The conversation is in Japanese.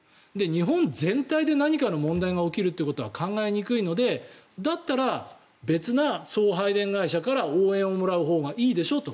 日本全体で何かの問題が起きることは考えにくいのでだったら別の送配電会社から応援をもらうほうがいいでしょと。